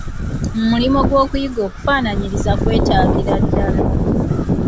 Mu mulimo gw'okuyiga okufaanaanyiriza kwetaagirwa ddala.